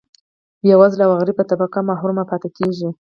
بیوزله او غریبه طبقه محروم پاتې کیږي.